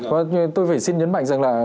và tôi phải xin nhấn mạnh rằng là